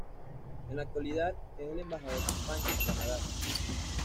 En la actualidad, es el embajador de España en Canadá.